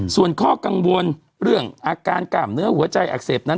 ส่วนข้อกังวลเรื่องอาการกล้ามเนื้อหัวใจอักเสบนั้น